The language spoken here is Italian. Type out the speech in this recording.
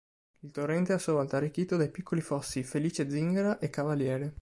Il torrente è a sua volta arricchito dai piccoli fossi Felice Zingara e Cavaliere.